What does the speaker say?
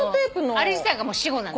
あれ自体がもう死語なの。